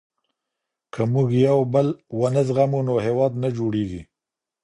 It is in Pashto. که موږ يو بل ونه زغمو نو هېواد نه جوړېږي.